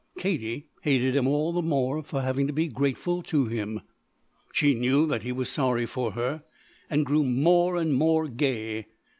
Katie hated him the more for having to be grateful to him. She knew that he was sorry for her and grew more and more gay.